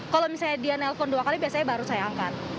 kalau misalnya dia nelpon dua kali biasanya baru saya angkat